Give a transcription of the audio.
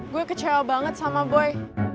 gue kecewa banget sama boy